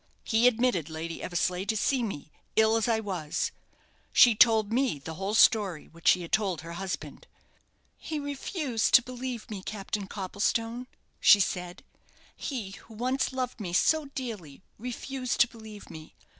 He admitted Lady Eversleigh to see me, ill as I was. She told me the whole story which she told her husband. 'He refused to believe me, Captain Copplestone,' she said; 'he who once loved me so dearly refused to believe me.